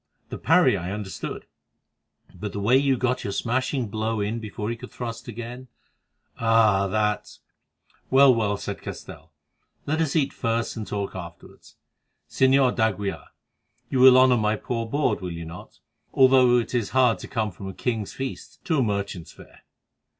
The parry I understood, but the way you got your smashing blow in before he could thrust again—ah! that——" "Well, well," said Castell, "let us eat first and talk afterwards. Señor d'Aguilar, you will honour my poor board, will you not, though it is hard to come from a king's feast to a merchant's fare?"